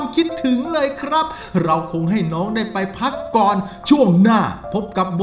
ขอบคุณครับ